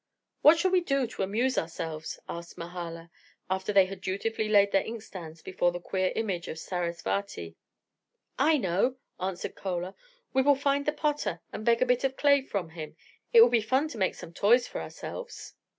"What shall we do to amuse ourselves?" asked Mahala, after they had dutifully laid their inkstands before the queer image of Sarasvati. "I know," answered Chola. "We will find the potter and beg a bit of clay from him. It will be fun to make some toys for ourselves."